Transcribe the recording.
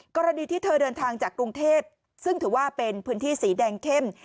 กรณีที่เธอเดินทางจากกรุงเทพซึ่งถือว่าเป็นพื้นที่สีแดงเข้ม